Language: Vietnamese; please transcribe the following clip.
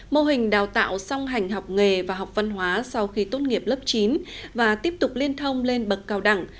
mô hình đào tạo song hành học nghề và học văn hóa sau khi tốt nghiệp lớp chín và tiếp tục liên thông lên bậc cao đẳng